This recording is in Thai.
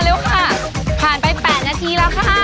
เร็วค่ะผ่านไป๘นาทีแล้วค่ะ